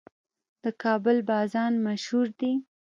د کابل بازان مشهور دي